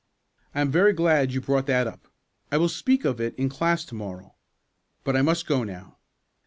I am very glad you brought that up. I will speak of it in class to morrow. But I must go now."